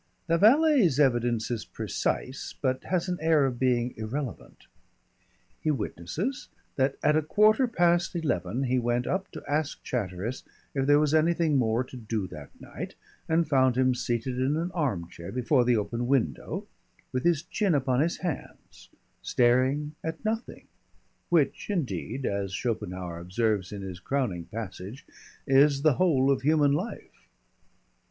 The valet's evidence is precise, but has an air of being irrelevant. He witnesses that at a quarter past eleven he went up to ask Chatteris if there was anything more to do that night, and found him seated in an arm chair before the open window, with his chin upon his hands, staring at nothing which, indeed, as Schopenhauer observes in his crowning passage, is the whole of human life.